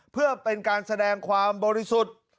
เพื่อเป็นการแสดงความบริสุทธิ์